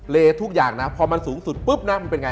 ทุกอย่างนะพอมันสูงสุดปุ๊บนะมันเป็นไง